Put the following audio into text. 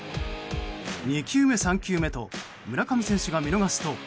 ２球目、３球目と村上選手が見逃すと。